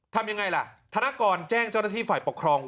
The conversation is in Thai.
ทำยังไงล่ะธนกรแจ้งเจ้าหน้าที่ฝ่ายปกครอง